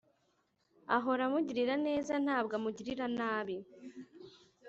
ahora amugirira neza ntabwo amugirira nabi,